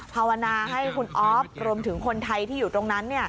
ภาวนาให้คุณอ๊อฟรวมถึงคนไทยที่อยู่ตรงนั้น